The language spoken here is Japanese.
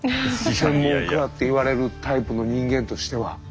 専門家っていわれるタイプの人間としては。